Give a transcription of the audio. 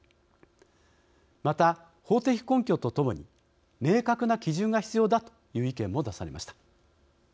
また、法的根拠とともに明確な基準が必要だという意見も出されました。